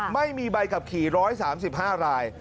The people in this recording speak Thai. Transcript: ไม่มีใบขับขี่๑๓๕ราย